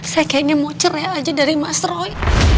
saya kayaknya mau cerai aja dari mas roy